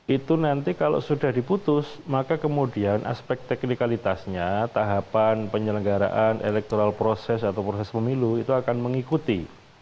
itu nanti kalau sudah diputus maka kemudian aspek teknikalitasnya tahapan penyelenggaraan electoral proses atau proses pemilu itu akan mengikuti